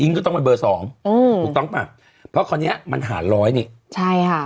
ก็ต้องเป็นเบอร์สองอืมถูกต้องป่ะเพราะคราวเนี้ยมันหารร้อยนี่ใช่ค่ะ